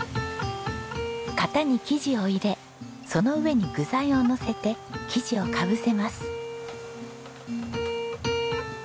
型に生地を入れその上に具材をのせて生地をかぶせます。